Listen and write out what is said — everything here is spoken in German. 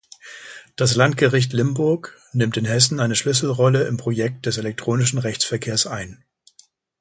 Das Landgericht Limburg nimmt in Hessen eine Schlüsselrolle im Projekt des elektronischen Rechtsverkehrs ein.